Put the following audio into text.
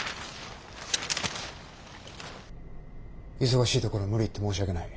忙しいところ無理言って申し訳ない。